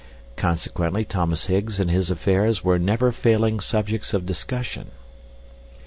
Consequently Thomas Higgs and his affairs were never failing subjects of discussion.